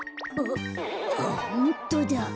あホントだ。